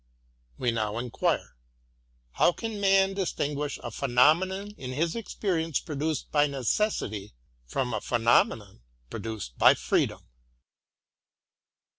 We now inquire, — How can man distinguish a phenomenon in his experi ence produced by necessity, from a phenomenon produced by freedom?